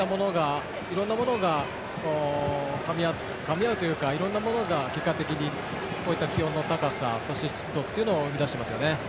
いろんなものがかみ合うというかいろんなものが、結果的にこういった気温の高さそして、湿度というのを生み出していますよね。